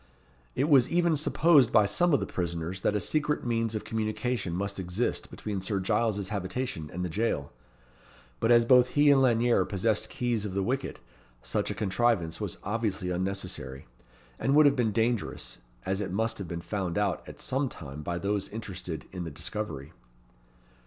It was even supposed by some of the prisoners that a secret means of communication must exist between Sir Giles's habitation and the jail; but as both he and Lanyere possessed keys of the wicket, such a contrivance was obviously unnecessary, and would have been dangerous, as it must have been found out at some time by those interested in the discovery.